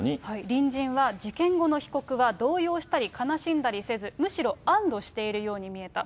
隣人は事件後の被告は動揺したり、悲しんだりせず、むしろ安どしているように見えた。